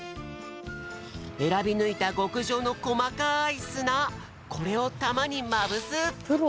えらびぬいたごくじょうのこまかいすなこれをたまにまぶす。